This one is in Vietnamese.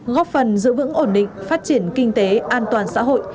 góp phần giữ vững ổn định phát triển kinh tế an toàn xã hội